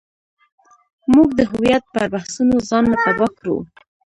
موږ د هویت پر بحثونو ځان نه تباه کړو.